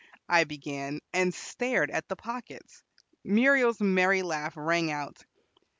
I began, and stared at the pockets. Muriel's merry laugh rang out.